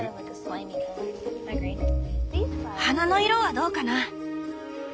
花の色はどうかな？